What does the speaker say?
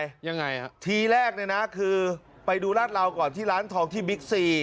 ยังไงฮะทีแรกเนี่ยนะคือไปดูลาดราวก่อนที่ร้านทองที่บิ๊กซี